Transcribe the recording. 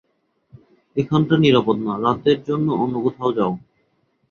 এখানটা নিরাপদ না, রাতের জন্য অন্য কোথাও যাও।